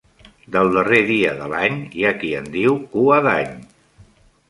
Del darrer dia de l'any hi ha qui en diu Cua d'Any.